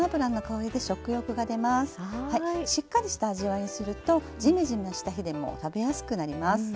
しっかりした味わいにするとジメジメした日でも食べやすくなります。